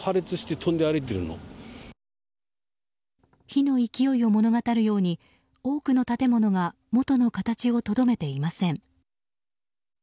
火の勢いを物語るように多くの建物がもとの形をとどめていません。